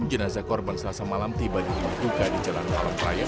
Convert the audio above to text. jenazah korban selasa malam tiba dihidupkan di jalan malam peraya